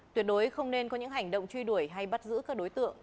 tuyệt đối không nên có những hành động truy đuổi hay bắt giữ các đối tượng